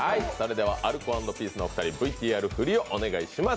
アルコ＆ピースのお二人、ＶＴＲ振りをお願いします。